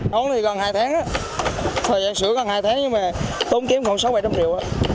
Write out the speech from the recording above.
nấu thì gần hai tháng thời gian sửa gần hai tháng nhưng mà tốn kiếm còn sáu bảy trăm linh triệu